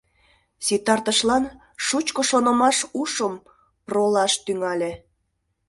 Ситартышлан шучко шонымаш ушым пролаш, тӱҥале.